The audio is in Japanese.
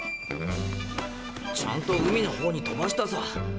ちゃんと海の方に飛ばしたさ。